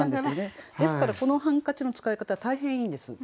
ですからこの「ハンカチ」の使い方大変いいんです。